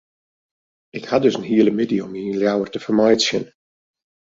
Ik ha dus in hiele middei om my yn Ljouwert te fermeitsjen.